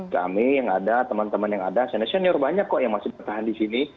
kami yang ada teman teman yang ada senior senior banyak kok yang masih bertahan di sini